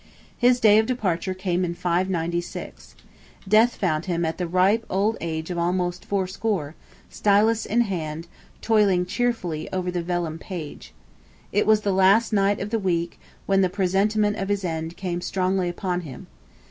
His day of departure came in 596. Death found him at the ripe age of almost fourscore, stylus in hand, toiling cheerfully over the vellum page. It was the last night of the week when the presentiment of his end came strongly upon him.